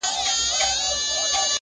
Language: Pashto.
ستا پر تور تندي لیکلي کرښي وايي.!